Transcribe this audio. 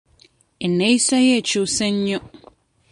Enneeyisa ye ekyuse nnyo.